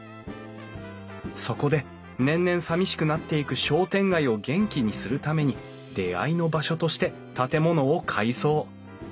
そこで年々さみしくなっていく商店街を元気にするために出会いの場所として建物を改装。